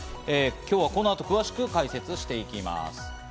今日はこの後、詳しく解説していきます。